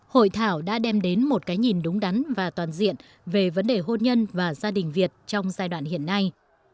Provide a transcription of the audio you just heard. hội thảo đã đem đến một cái nhìn đúng đắn và toàn diện về vấn đề hôn nhân và gia đình việt trong giai đoạn hiện nay